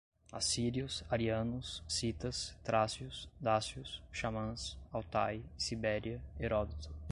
assírios, arianos, citas, trácios, dácios, xamãs, Altai, Sibéria, Heródoto